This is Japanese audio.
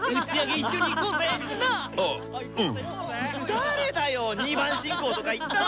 誰だよ２番信仰とか言ったの。